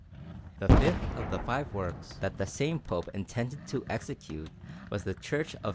The fifth of the five works that the same Pope intended to execute was the Church of S.